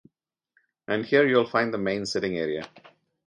And here you'll find the main sitting area.